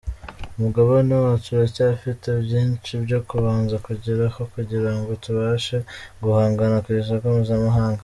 Umugabane wacu uracyafite byinshi byo kubanza kugeraho kugira ngo tubashe guhangana ku isoko mpuzamahanga.